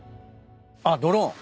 あっドローン。